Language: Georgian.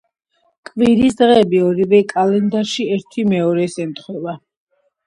კვირის დღეები ორივე კალენდარში ერთი-მეორეს ემთხვევა.